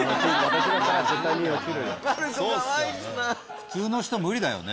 普通の人無理だよね？